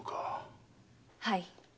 はい。